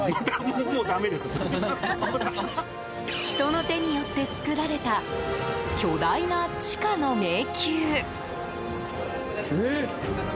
人の手によって作られた巨大な地下の迷宮。